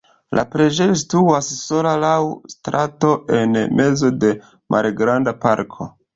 La preĝejo situas sola laŭ strato en mezo de malgranda parko.